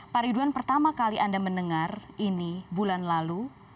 pari dwan pertama kali anda mendengar ini bulan lalu